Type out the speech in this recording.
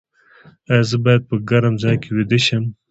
ایا زه باید په ګرم ځای کې ویده شم؟